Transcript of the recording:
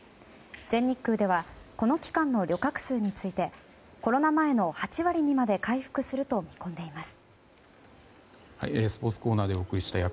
全日空ではこの期間の旅客数についてコロナ前の８割にまで回復すると見込んでいます。